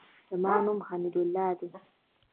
زما نوم حمیدالله دئ.